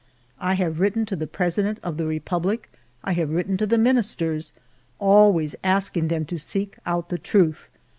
I have written to the President of the Republic, I have written to the Ministers, always asking them to seek out the truth.